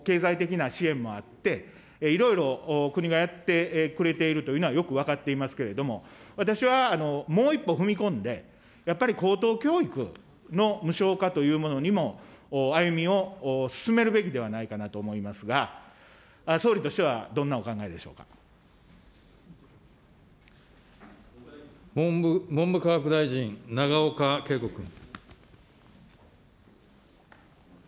ですから今、いろんな経済的な支援もあって、いろいろ国がやってくれているというのはよく分かっていますけれども、私はもう一歩踏み込んで、やっぱり高等教育の無償化というものにも歩みを進めるべきではないかなと思いますが、総理としてはどんなお考えでしょ文部科学大臣、永岡桂子君。